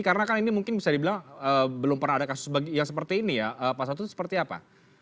karena kan ini mungkin bisa dibilang belum pernah ada kasus yang seperti ini ya pak saud itu seperti apa